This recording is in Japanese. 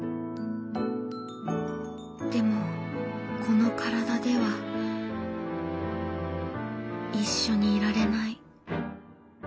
でもこの体では一緒にいられない。